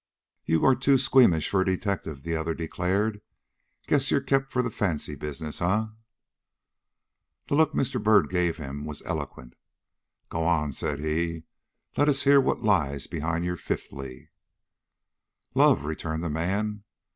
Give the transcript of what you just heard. "You are too squeamish for a detective," the other declared. "Guess you're kept for the fancy business, eh?" The look Mr. Byrd gave him was eloquent. "Go on," said he; "let us hear what lies behind your fifthly." "Love," returned the man.